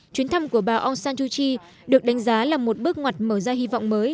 chuyến thăm của bà aung san yuchi được đánh giá là một bước ngoặt mở ra hy vọng mới